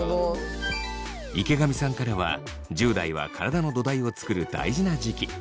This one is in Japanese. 池上さんからは１０代は体の土台を作る大事な時期。